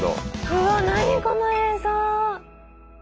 うわ何この映像！